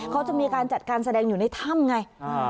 เขาจะมีการจัดการแสดงอยู่ในถ้ำไง